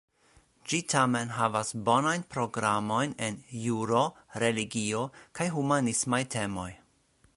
Ĝi tamen havas bonajn programojn en juro, religio, kaj humanismaj temoj.